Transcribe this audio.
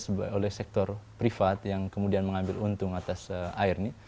sebagai sektor privat yang kemudian mengambil untung atas air ini